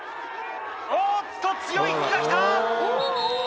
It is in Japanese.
おっと強い引きが来た！